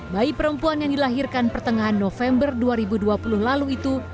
bayi perempuan yang dilahirkan pertengahan november dua ribu dua puluh lalu itu